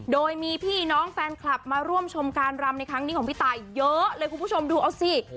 โดยมีพี่น้องแฟนคลับมาร่วมชมการรำในครั้งนี้ของพี่ตายเยอะเลยคุณผู้ชมดูเอาสิ